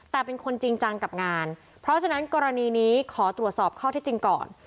แต่เป็นคนจริงจังกับงานเพราะฉะนั้นกรณีนี้ขอตรวจสอบข้อที่จริงก่อน